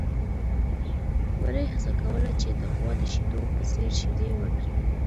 وري هڅه کوله چې د غوا د شیدو په څېر شیدې ورکړي.